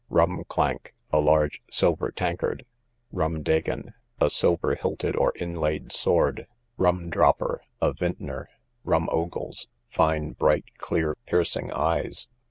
Rum clank, a large silver tankard. Rum degen, a silver hilted or inlaid sword. Rumdropper, a vintner. Rum ogle's, fine, bright, clear, piercing eyes.